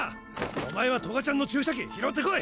おまえはトガちゃんの注射器拾ってこい！